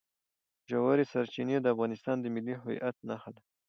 ژورې سرچینې د افغانستان د ملي هویت نښه ده.